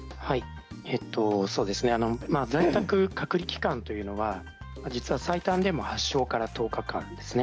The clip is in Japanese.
在宅隔離期間というのは、実は最短でも発症から１０日間ですね。